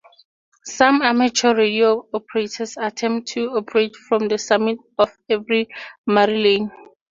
Some amateur radio operators attempt to operate from the summit of every Marilyn.